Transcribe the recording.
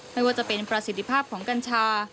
ไม่ว่าจะเป็นประสิทธิภาพของกัญชา